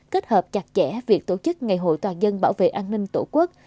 kết hợp chặt chẽ việc tổ chức ngày hội toàn dân bảo vệ an ninh tổ quốc